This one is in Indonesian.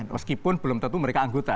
meskipun belum tentu mereka anggota